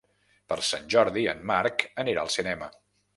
Per Sant Jordi en Marc anirà al cinema.